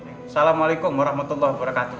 assalamualaikum warahmatullahi wabarakatuh